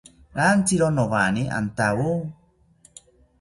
Rantziro nowani antawo